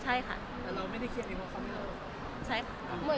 ใช่ค่ะใช่ค่ะ